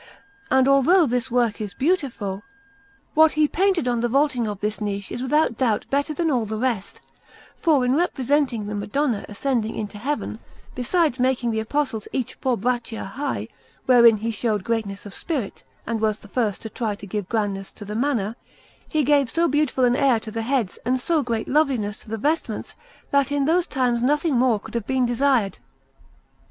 And although all this work is beautiful, what he painted on the vaulting of this niche is without doubt better than all the rest, for in representing the Madonna ascending into Heaven, besides making the Apostles each four braccia high, wherein he showed greatness of spirit and was the first to try to give grandness to the manner, he gave so beautiful an air to the heads and so great loveliness to the vestments that in those times nothing more could have been desired.